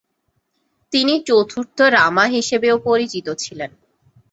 তিনি চতুর্থ রামা হিসেবেও পরিচিত ছিলেন।